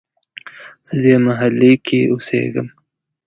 زه دې محلې کې اوسیږم